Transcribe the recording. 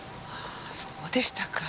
そうでしたか。